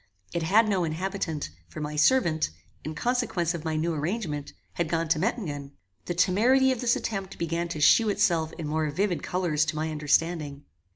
It had no inhabitant, for my servant, in consequence of my new arrangement, had gone to Mettingen. The temerity of this attempt began to shew itself in more vivid colours to my understanding.